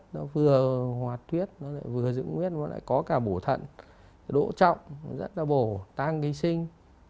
nó vừa hòa tuyết nó vừa dưỡng huyết nó lại có cả bổ thận đỗ trọng rất là bổ tăng gây sinh